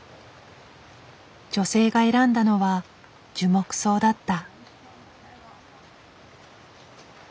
女性が選んだのは樹木葬だった。